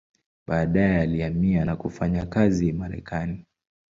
Baadaye alihamia na kufanya kazi Marekani.